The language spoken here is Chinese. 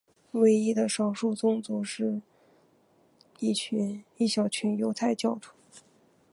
唯一的少数宗教是一小群犹太教徒。